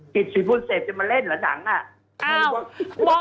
กิฒ์สีพุ่มเศษจะมาเล่นหรอหนัง